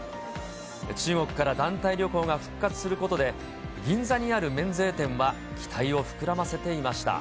中国から団体旅行が復活することで、銀座にある免税店は期待を膨らませていました。